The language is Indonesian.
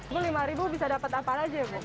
bu rp lima bisa dapat apa aja ya bu